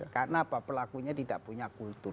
karena apa pelakunya tidak punya kultur